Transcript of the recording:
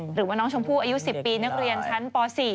หรือว่าน้องชมพู่อายุ๑๐ปีนักเรียนชั้นป๔